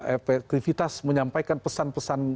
efektivitas menyampaikan pesan pesan